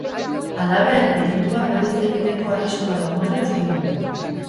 Halaber, delitua berriz egiteko arriskua dagoela uste du.